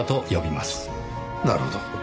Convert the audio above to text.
なるほど。